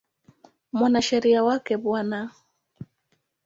Mwanasheria wake Bw.